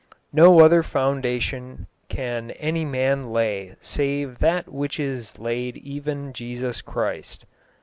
No other foundation can any man lay save that which is laid even Jesus Christ.